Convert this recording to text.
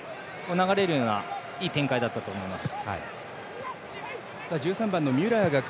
流れるようないい展開だったと思います。